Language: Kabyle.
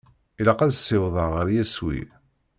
Ilaq ad ssiwḍeɣ ɣer yeswi.